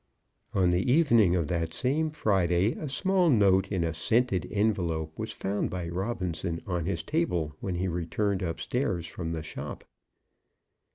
On the evening of that same Friday a small note in a scented envelope was found by Robinson on his table when he returned upstairs from the shop.